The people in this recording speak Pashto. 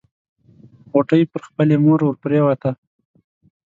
غوټۍ پر خپلې مور ورپريوته.